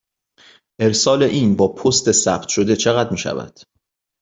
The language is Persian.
ارسال این با پست ثبت شده چقدر می شود؟